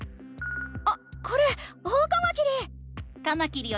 あっこれオオカマキリ！